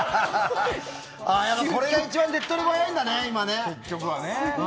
やっぱこれが一番手っ取り早いんだね、今。